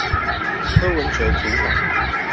柯文哲組黨